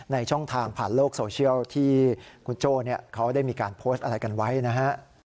ช่องทางผ่านโลกโซเชียลที่คุณโจ้เขาได้มีการโพสต์อะไรกันไว้นะฮะ